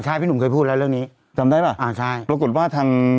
ใช่พี่หนุ่มเคยพูดแล้วเรื่องนี้จำได้ป่ะอ่าใช่ปรากฏว่าทาง